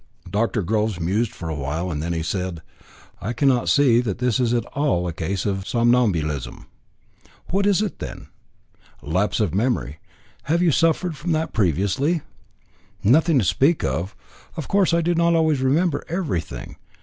Dr. Groves mused for some while, then he said: "I cannot see that this is at all a case of somnambulism." "What is it, then?" "Lapse of memory. Have you ever suffered from that previously?" "Nothing to speak of. Of course I do not always remember everything.